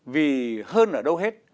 vì hơn ở đâu hết